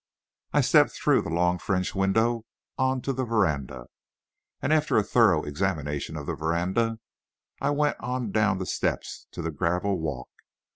I stepped through the long French window on to the veranda, and after a thorough examination of the veranda, I went on down the steps to the gravel walk.